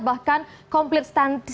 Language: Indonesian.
bahkan komplit standar